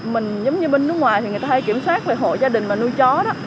mình giống như bên nước ngoài thì người ta kiểm soát về hộ gia đình mà nuôi chó đó